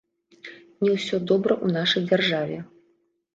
Не ўсё добра ў нашай дзяржаве.